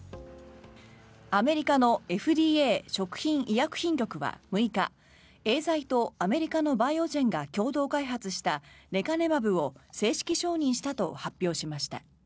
アメリカのＦＤＡ・食品医薬品局は６日エーザイとアメリカのバイオジェンが共同開発したレカネマブを正式承認したと発表しました。